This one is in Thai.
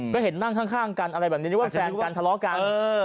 ก็เห็นนั่งข้างกันอะไรแบบนี้นึกว่าแฟนกันทะเลาะกัน